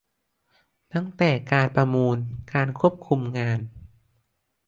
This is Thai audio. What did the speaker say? ตั้งแต่การประมูล การควบคุมงาน